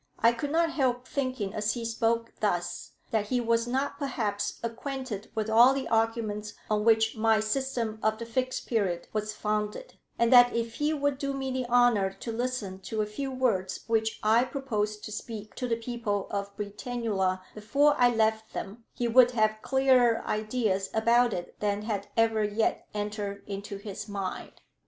I could not help thinking as he spoke thus, that he was not perhaps acquainted with all the arguments on which my system of the Fixed Period was founded; and that if he would do me the honour to listen to a few words which I proposed to speak to the people of Britannula before I left them, he would have clearer ideas about it than had ever yet entered into his mind.